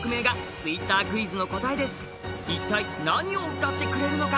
一体、何を歌ってくれるのか？